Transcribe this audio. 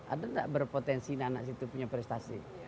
ada enggak berpotensi anak anak situ punya prestasi